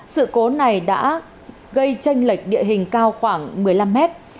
sự cố này đã gây tranh lệch địa hình cao khoảng một mươi năm mét